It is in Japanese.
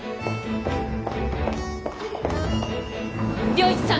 良一さん